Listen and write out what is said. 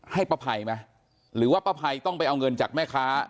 ให้ป้าภัยไหมหรือว่าป้าภัยต้องไปเอาเงินจากแม่ค้า